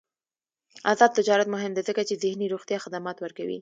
آزاد تجارت مهم دی ځکه چې ذهني روغتیا خدمات ورکوي.